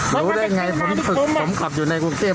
รู้ได้ไงผมกำจีบผมกลับอยู่ในเวียด